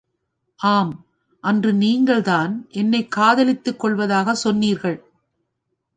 ஆம் அன்று நீங்கள் தான் என்னைக் காதலித்துக் கொல்வதாகச் சொன்னீர்கள்.